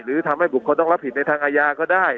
หรือทำให้บุคคลต้องรับผิดในทางอาญาก็ได้